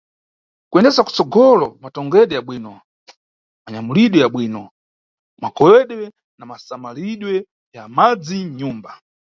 Kuyendesa kutsogolo matungidwe yabwino, manyamulidwe yabwino, makoyedwe na masamaliridwe ya madzi nʼnyumba.